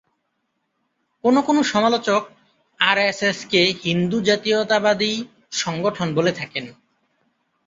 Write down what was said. কোনো কোনো সমালোচক আরএসএস-কে হিন্দু জাতীয়তাবাদী সংগঠন বলে থাকেন।